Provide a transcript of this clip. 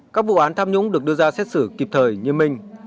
các vụ án tham nhũng được đưa ra xét xử kịp thời nghiêm minh